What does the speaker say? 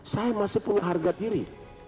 saya masih punya harga kiri